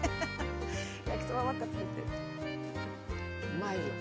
うまいよ。